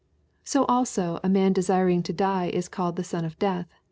So also a man desiring to die is called the son of death.